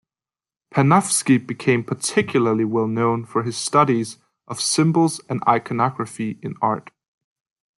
Panofsky became particularly well known for his studies of symbols and iconography in art.